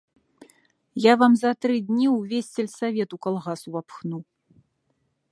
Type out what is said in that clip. Я вам за тры дні ўвесь сельсавет у калгас увапхну.